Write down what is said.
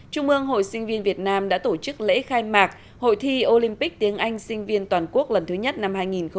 trung ương hội sinh viên việt nam đã tổ chức lễ khai mạc hội thi olympic tiếng anh sinh viên toàn quốc lần thứ nhất năm hai nghìn hai mươi